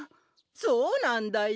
そうなんだよ。